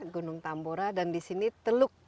gunung tambora dan di sini teluk